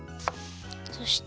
そして。